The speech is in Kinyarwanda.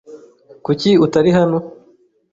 Kuki utari hano?